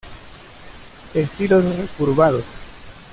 Estilos recurvados.